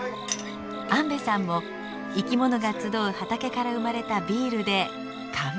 安部さんも生きものが集う畑から生まれたビールで乾杯。